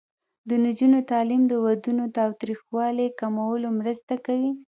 د نجونو تعلیم د ودونو تاوتریخوالي کمولو مرسته کوي.